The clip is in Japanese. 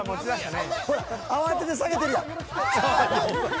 ［ほら慌てて下げてるやん］